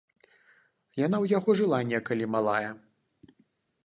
Яна ў яго жыла некалі малая.